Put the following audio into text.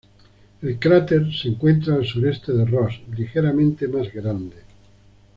El cráter se encuentra al sureste de Ross, ligeramente más grande.